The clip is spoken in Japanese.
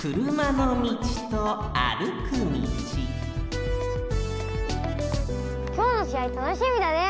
たとえばきょうのしあいたのしみだね！